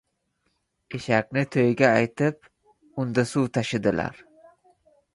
• Eshakni to‘yga aytib, unda suv tashidilar.